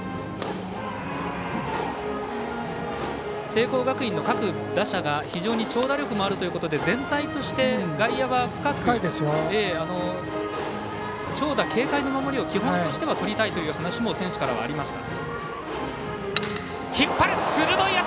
聖光学院の各打者が非常に長打力もあるということで全体としては外野は深く、長打警戒の守りを基本としてはとりたいという話も選手からはありました。